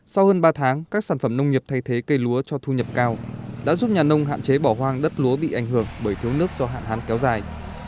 sau hơn ba tháng các sản phẩm nông nghiệp thay thế cây lúa cho thu nhập cao đã giúp nhà nông hạn chế bỏ hoang đất lúa bị ảnh hưởng bởi thiếu nước do hạn hán kéo dài